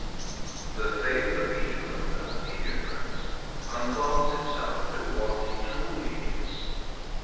The faith of each believer, Indian Prince! Conforms itself to what he truly is.